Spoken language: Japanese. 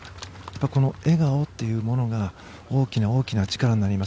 この笑顔というものが大きな大きな力になります。